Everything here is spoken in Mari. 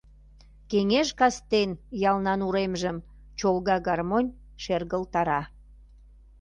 Кеҥеж кастен ялнан уремжым Чолга гармонь шергылтара.